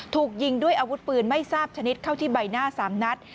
ถูกยิงด้วยอาวุธปืนไม่ทราบชนิดเข้าที่ใบหน้า๓นัด